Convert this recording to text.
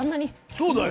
そうだよ。